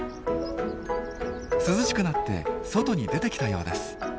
涼しくなって外に出てきたようです。